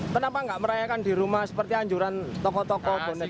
kenapa nggak merayakan di rumah seperti anjuran toko toko bonek